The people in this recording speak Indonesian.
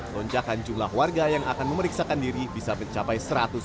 lonjakan jumlah warga yang akan memeriksakan diri bisa mencapai seratus